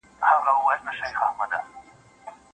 یو د بل په صفتونو به ګویان وه